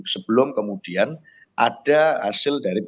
sebelum kemudian ada hasil dari pt un